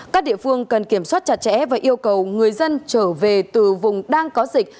các địa phương cần kiểm soát chặt chẽ và yêu cầu người dân trở về từ vùng đang có dịch